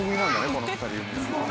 この２人組は。